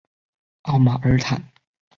奥马尔坦。